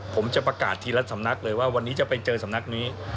ผมจะประกาศทีละสำนักเลยว่าวันนี้จะไปเจอสำนักนี้